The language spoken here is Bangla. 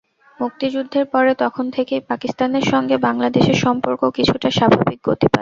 মুক্তিযুদ্ধের পরে তখন থেকেই পাকিস্তানের সঙ্গে বাংলাদেশের সম্পর্ক কিছুটা স্বাভাবিক গতি পায়।